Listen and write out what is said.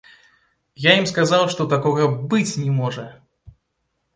Я ім сказаў, што такога быць не можа.